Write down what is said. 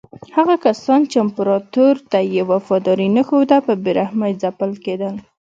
هغه کسان چې امپراتور ته یې وفاداري نه ښوده په بې رحمۍ ځپل کېدل.